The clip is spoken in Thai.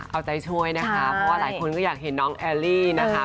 เอาใจช่วยนะคะเพราะว่าหลายคนก็อยากเห็นน้องแอลลี่นะคะ